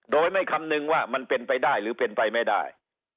โดยไม่คำนึงว่ามันเป็นไปได้หรือเป็นไปไม่ได้